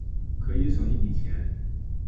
可以省一笔钱